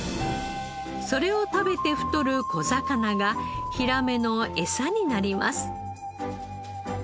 それを食べて太る小魚がヒラメのエサになります。